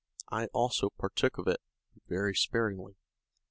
I also partook of it, but very sparingly.